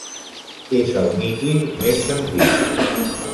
És el nitril més senzill.